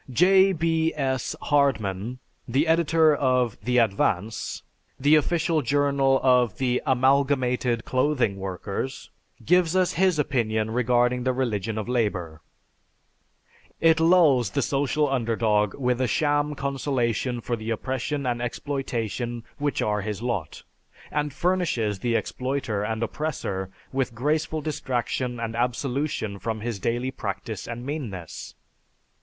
J. B. S. Hardman, the editor of The Advance, the official journal of the Amalgamated Clothing Workers, gives us his opinion regarding the religion of labor. "It lulls the social underdog with a sham consolation for the oppression and exploitation which are his lot, and furnishes the exploiter and oppressor with graceful distraction and absolution from his daily practice and meanness.